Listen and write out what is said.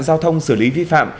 giao thông xử lý vi phạm